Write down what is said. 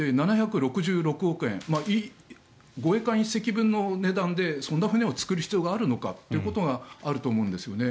７６６億円護衛艦１隻分の値段でそんな船を造る必要があるかということがあると思います。